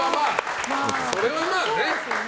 それは、まあね。